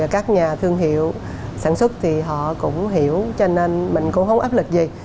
các nhà thương hiệu sản xuất thì họ cũng hiểu cho nên mình cũng không áp lực gì